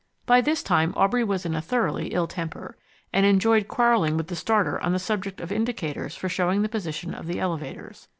By this time Aubrey was in a thoroughly ill temper, and enjoyed quarrelling with the starter on the subject of indicators for showing the position of the elevators.